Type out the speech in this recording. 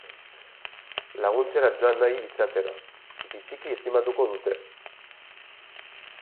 Laguntzera joan nahi izatera, biziki estimatuko dute!